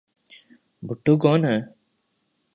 بھٹو کون ہیں؟